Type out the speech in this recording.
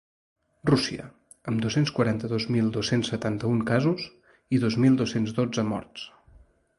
Rússia, amb dos-cents quaranta-dos mil dos-cents setanta-un casos i dos mil dos-cents dotze morts.